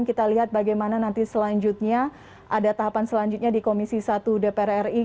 kita lihat bagaimana nanti selanjutnya ada tahapan selanjutnya di komisi satu dpr ri